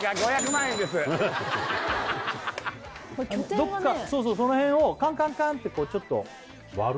どっかそうそうその辺をカンカンカンってこうちょっと割る？